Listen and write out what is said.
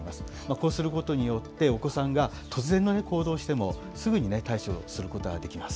こうすることによって、お子さんが突然のね、行動をしても、すぐに対処することができます。